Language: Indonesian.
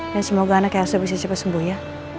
dan semoga anak elsa bisa cepat sembuh ya